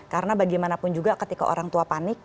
karena bagaimanapun juga ketika orang tua panik